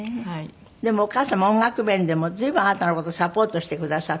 でもお母様音楽面でも随分あなたの事サポートしてくださって。